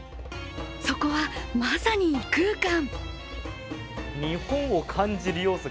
そこは、まさに異空間。